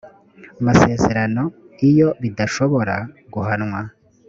masezerano iyo bidashobora guhwana